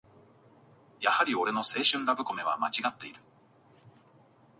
やはり俺の青春ラブコメはまちがっている